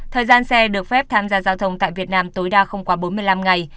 thời gian xe được phép tham gia giao thông tại việt nam tối đa không quá bốn mươi năm ngày